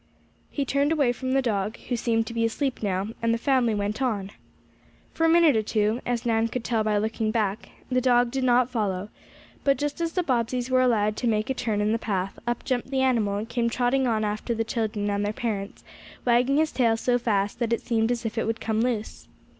He turned away from the dog, who seemed to be asleep now, and the family went on. For a minute or two, as Nan could tell by looking back, the dog did not follow, but just as the Bobbseys were about to make a turn in the path, up jumped the animal and came trotting on after the children and their parents, wagging his tail so fast that it seemed as if it would come loose.